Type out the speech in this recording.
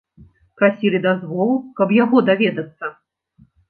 Прасілі дазволу, каб яго даведацца.